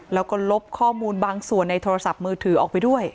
แล้วก็ลบข้อมูลบางส่วนในโทรศัพท์มือถือออกไปด้วย